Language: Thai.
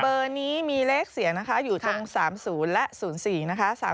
เบอร์นี้มีเลขเสียงนะคะอยู่ตรง๓๐และ๐๔นะคะ